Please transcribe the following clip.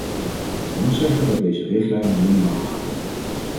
Ik moet zeggen dat deze richtlijnen minimaal waren.